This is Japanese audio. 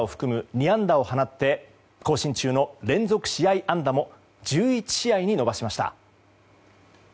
２安打を放って更新中の連続試合安打も１１試合に伸ばしました。